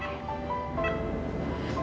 kalau kamu tolong rihan atau rinta